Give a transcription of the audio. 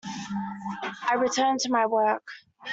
I returned to my work.